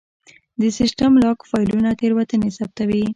د سیسټم لاګ فایلونه تېروتنې ثبتوي.